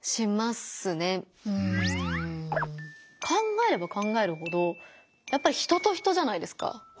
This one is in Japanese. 考えれば考えるほどやっぱり人と人じゃないですか。